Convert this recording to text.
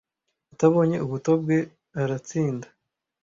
utabonye ubuto bwe aratsinda